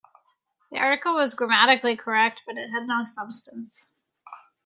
The article was grammatically correct, but it had no substance.